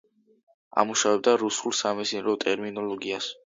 ამუშავებდა რუსულ სამეცნიერო ტერმინოლოგიას.